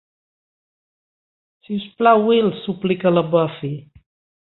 "Si us plau, Will", suplica la Buffy.